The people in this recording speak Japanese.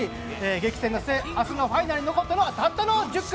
激戦の末、明日のファナルに残ったのはたったの１０組。